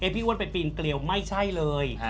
พี่อ้วนไปปีนเกลียวไม่ใช่เลย